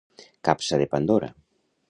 Capsa de Pandora.